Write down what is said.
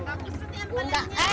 makasih empat dari lima